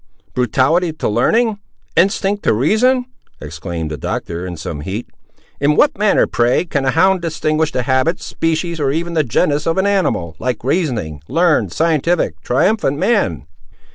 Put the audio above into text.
brutality to learning! instinct to reason!" exclaimed the Doctor in some heat. "In what manner, pray, can a hound distinguish the habits, species, or even the genus of an animal, like reasoning, learned, scientific, triumphant man!"